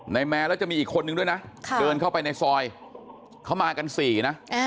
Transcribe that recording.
แมนแล้วจะมีอีกคนนึงด้วยนะเดินเข้าไปในซอยเขามากัน๔นะ